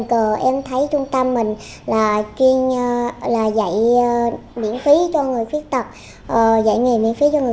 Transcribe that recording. còn em thấy cũng không kết bạn với thầy đi phố điện thoại